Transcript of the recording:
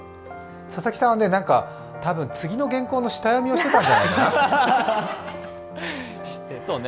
佐々木さんは次の原稿の下読みをしてたんじゃないかな。